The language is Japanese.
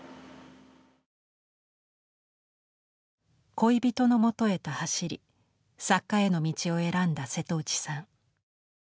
恋人のもとへと走り作家への道を選んだ瀬戸内さん。